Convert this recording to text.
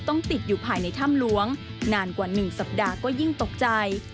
ต้องติดอยู่ภายในถ้ำหลวงนานกว่า๑สัปดาห์ก็ยิ่งตกใจ